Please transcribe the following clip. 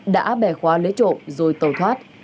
đã bè khóa lấy trộm rồi tàu thoát